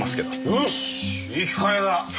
よしいい機会だ。